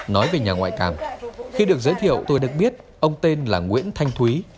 nói về nhà ngoại cảm khi được giới thiệu tôi được biết ông tên là nguyễn thanh thúy